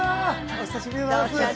お久しぶりです。